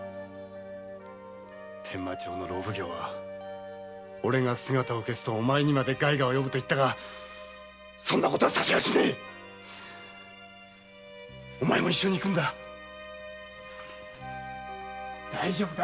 伝馬町の牢奉行はおれが姿を消すとお前にも害が及ぶと言ったがそんなことはさせやしねぇお前も一緒に行くんだ大丈夫だ。